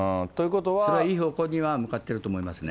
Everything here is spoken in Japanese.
それはいい方向には向かっていると思いますね。